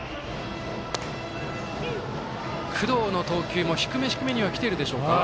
工藤の投球も低め低めにはきてるでしょうか？